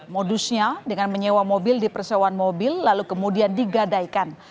modusnya dengan menyewa mobil di persewaan mobil lalu kemudian digadaikan